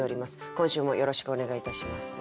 今週もよろしくお願いいたします。